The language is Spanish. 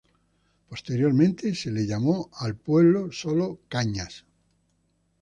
Posteriormente se le llamó al pueblo sólo Cañas.